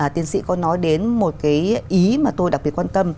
tiến sĩ có nói đến một cái ý mà tôi đặc biệt quan tâm